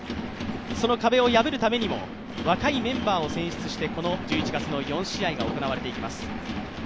その壁を破るためにも若いメンバーを選出して１１月の４試合が行われていきます。